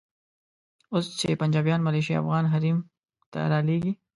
اوس چې پنجابیان ملیشې افغان حریم ته رالېږي.